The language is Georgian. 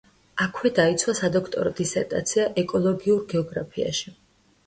აქვე დაიცვა სადოქტორო დისერტაცია ეკოლოგიურ გეოგრაფიაში.